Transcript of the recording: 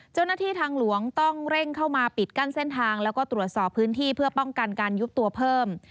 เจ้าหน้าที่ทางหลวงต้องเร่งเข้ามาปิดกั้นเส้นทางแล้วก็ตรวจสอบพื้นที่เพื่อป้องกันการยุบตัวเพิ่ม